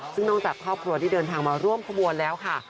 ซึ่งนอกจากครอบครัวที่เดินทางมาร่วมขบวนแล้วค่ะ